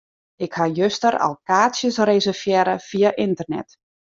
Ik ha juster al kaartsjes reservearre fia ynternet.